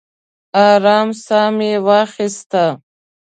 ارام ساه مې واخیسته.